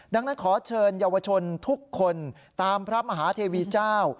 ดังนั้นขอเชิญเยาวชนทุกคนตามพระมหาเทวีเจ้า